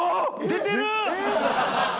［出てる！］